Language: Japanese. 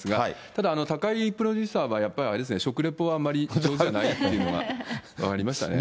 ただ、高井プロデューサーはやっぱりあれですね、食レポはあんまり上手じゃないっていうのは分かりましたね。